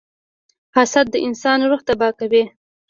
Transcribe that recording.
• حسد د انسان روح تباه کوي.